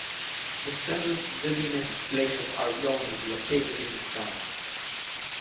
The census-designated place of Argonne is located in the town.